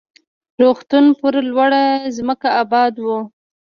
روغتون پر لوړه ځمکه اباد و.